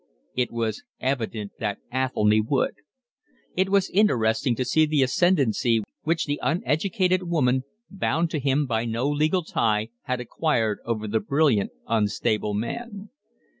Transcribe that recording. It was evident that Athelny would. It was interesting to see the ascendency which the uneducated woman, bound to him by no legal tie, had acquired over the brilliant, unstable man.